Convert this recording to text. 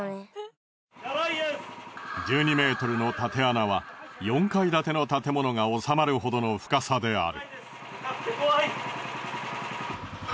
１２ｍのたて穴は４階建ての建物が収まるほどの深さである。